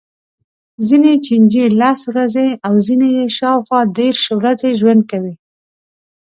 ځینې چینجي لس ورځې او ځینې یې شاوخوا دېرش ورځې ژوند کوي.